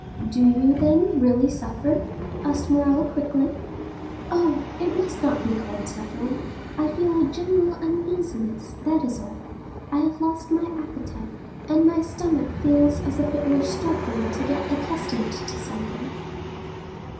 "Do you then really suffer?" asked Morrel quickly. "Oh, it must not be called suffering; I feel a general uneasiness, that is all. I have lost my appetite, and my stomach feels as if it were struggling to get accustomed to something."